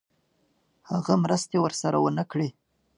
هغه مرستې ورسره ونه کړې.